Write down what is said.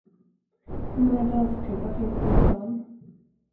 Hur många dansklubbar finns det i stan?